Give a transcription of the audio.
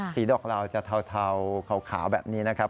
ดอกลาวจะเทาขาวแบบนี้นะครับ